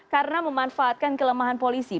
karena memanfaatkan kelemahan polisi